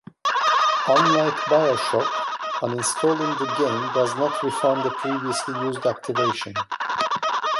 Unlike "BioShock", uninstalling the game does not refund a previously used activation.